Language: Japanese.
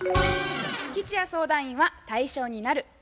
吉弥相談員は「対象になる」